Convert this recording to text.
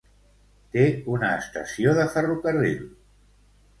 Té una estació de ferrocarril.